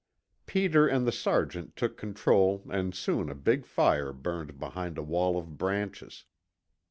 Peter and the sergeant took control and soon a big fire burned behind a wall of branches.